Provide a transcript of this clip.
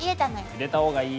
入れた方がいい。